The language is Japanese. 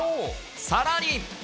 さらに。